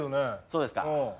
そうですか。